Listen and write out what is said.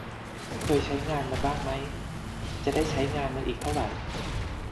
เคยใช้งานมันบ้างไหม จะได้ใช้งานมันอีกเท่าไร